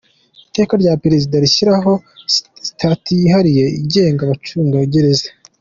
Iteka rya Perezida rishyiraho Sitati yihariye igenga Abacungagereza;.